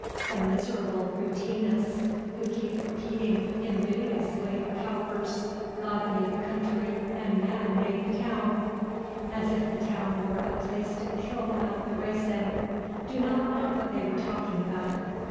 The miserable routinists who keep repeating invidiously Cowper's "God made the country and man made the town," as if the town were a place to kill out the race in, do not know what they are talking about.